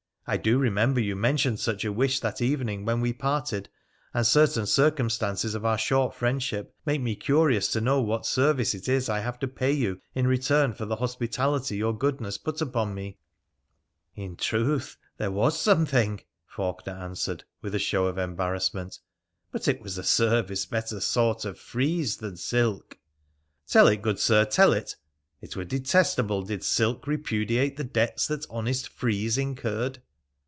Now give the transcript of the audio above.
I do remember you mentioned such a wish that evening when we parted, and certain circumstances of our short friendship make me curious to know what service it is I have to pay you in return for the hospitality your goodness put upon me.' ' In truth there was something,' Faulkener answered, with a show of embarrassment, ' but it was a service better Bought of frieze than silk.' 'Tell it, good Sir, tell it! It were detestable did silk repudiate the debts that honest frieze incurred.'